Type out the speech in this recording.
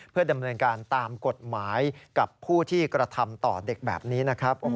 เพื่อดำเนินการตามกฎหมายกับผู้ที่กระทำต่อเด็กแบบนี้นะครับ